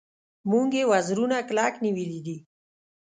موږ یې وزرونه کلک نیولي دي.